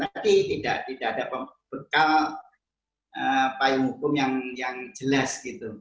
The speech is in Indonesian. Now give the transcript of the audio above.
tapi tidak ada bekal payung hukum yang jelas gitu